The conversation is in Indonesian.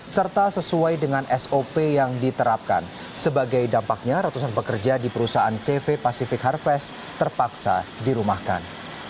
serta sesuai dengan sop yang diterapkan sebagai dampaknya ratusan pekerja di perusahaan cv pacific harvest terpaksa dirumahkan